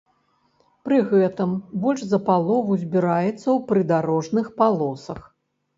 Пры гэтым больш за палову збіраецца ў прыдарожных палосах.